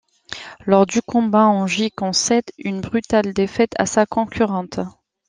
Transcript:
Lors du combat Angie concède une brutale défaite à sa concurrente.